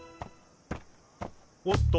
おっと！